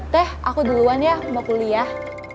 teh aku duluan ya mau kuliah